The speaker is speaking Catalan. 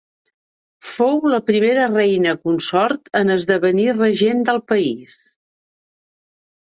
Fou la primera reina consort en esdevenir regent del país.